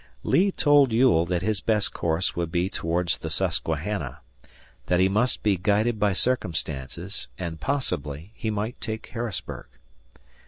Lee told Ewell that his best course would be towards the Susquehanna, that he must be guided by circumstances, and, possibly, he might take Harrisburg.